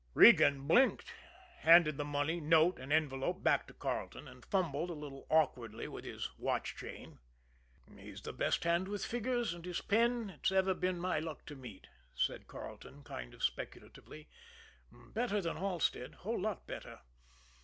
Regan blinked, handed the money, note, and envelope back to Carleton, and fumbled a little awkwardly with his watch chain. "He's the best hand with figures and his pen it's ever been my luck to meet," said Carleton, kind of speculatively. "Better than Halstead; a whole lot better.